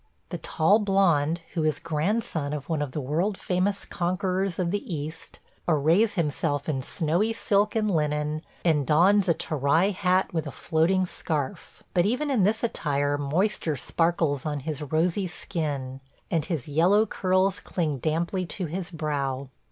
The tall blond, who is grandson of one of the world famous conquerors of the East, arrays himself in snowy silk and linen and dons a Terrai hat with a floating scarf; but even in this attire moisture sparkles on his rosy skin, and his yellow curls cling damply to his brow.